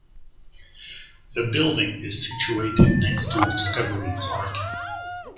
The building is situated next to Discovery Park.